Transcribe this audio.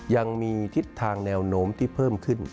ยังมีทิศทางแนวโน้มที่เพิ่มขึ้น